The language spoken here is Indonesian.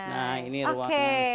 nah ini ruangannya saja